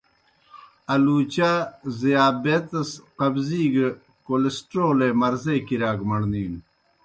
آلُوچا ذیابیطس، قبضی گہ کولسٹرولے مرضے کِرِیا گہ مڑنِینوْ۔